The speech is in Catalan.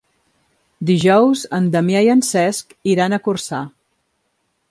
Dijous en Damià i en Cesc iran a Corçà.